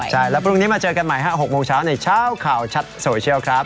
ใช่แล้วพรุ่งนี้มาเจอกันใหม่๖โมงเช้าในเช้าข่าวชัดโซเชียลครับ